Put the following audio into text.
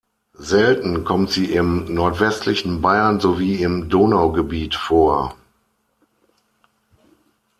Selten kommt sie im nordwestlichen Bayern sowie im Donaugebiet vor.